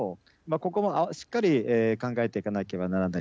ここもしっかり考えていかなければならない。